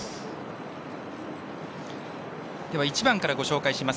１番からご紹介します。